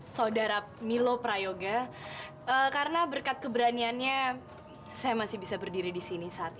saudara milo prayoga karena berkat keberaniannya saya masih bisa berdiri di sini saat ini